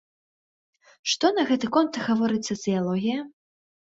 Што на гэты конт гаворыць сацыялогія?